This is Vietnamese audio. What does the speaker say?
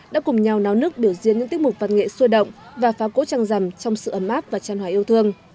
đã cùng nhau náo nước biểu diễn những tiết mục văn nghệ xua động và phá cỗ trăng rằm trong sự ấm áp và chăn hòa yêu thương